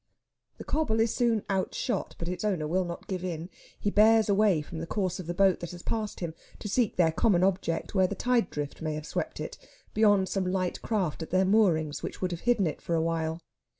The cobble is soon outshot, but its owner will not give in. He bears away from the course of the boat that has passed him, to seek their common object where the tide drift may have swept it, beyond some light craft at their moorings which would have hidden it for a while.